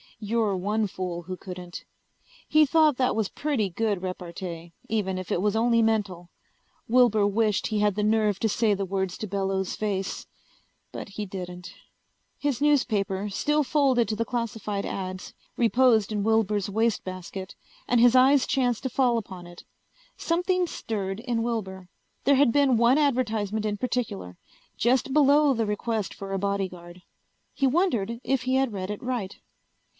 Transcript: You're one fool who couldn't. He thought that was pretty good repartee, even if it was only mental. Wilbur wished he had the nerve to say the words to Bellows' face. But he didn't. His newspaper, still folded to the classified ads, reposed in Wilbur's wastebasket and his eyes chanced to fall upon it. Something stirred in Wilbur. There had been one advertisement in particular. Just below the request for a bodyguard. He wondered if he had read it right.